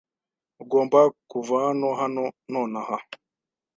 Ugomba kuva hano hano nonaha.